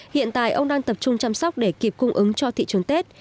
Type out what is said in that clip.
hiện tại ông đang tập trung chăm sóc để kịp cung ứng cho thị trường tết